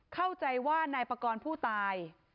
เข้าใจว่านายปากรผู้ตาย